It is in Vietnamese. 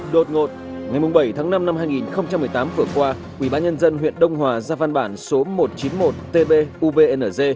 đột ngột ngày bảy tháng năm năm hai nghìn một mươi tám vừa qua quỹ bán nhân dân huyện đông hòa ra văn bản số một trăm chín mươi một tb ubnz